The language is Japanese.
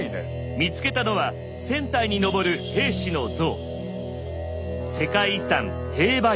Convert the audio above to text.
見つけたのは１，０００体に上る兵士の像。